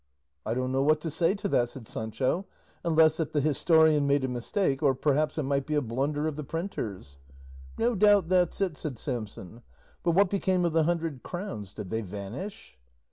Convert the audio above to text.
"I don't know what to say to that," said Sancho, "unless that the historian made a mistake, or perhaps it might be a blunder of the printer's." "No doubt that's it," said Samson; "but what became of the hundred crowns? Did they vanish?"